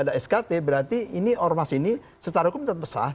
kalau tidak ada skt berarti ini ormas ini secara hukum tetap pesah